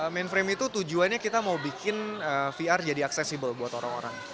mainframe itu tujuannya kita mau bikin vr jadi aksesibel buat orang orang